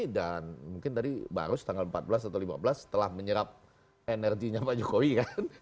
dan mungkin tadi baru tanggal empat belas atau lima belas setelah menyerap energinya pak jokowi kan